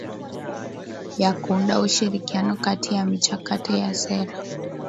ya kuunda ushirikiano kati ya michakato ya sera